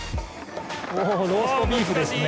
おローストビーフですね。